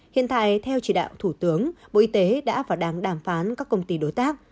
hiện tại theo chỉ đạo thủ tướng bộ y tế đã và đang đàm phán các công ty đối tác